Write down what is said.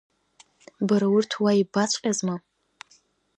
Бара урҭ уа иббаҵәҟьазма?